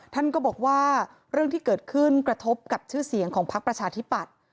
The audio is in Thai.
ท่านก็บอกว่าเรื่องที่เกิดขึ้นกระทบกับชื่อเสียงของพักประชาธิปัตย์